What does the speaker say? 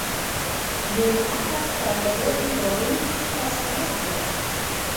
مېلمه ته که له لرې راغلی وي، تسلیت وایه.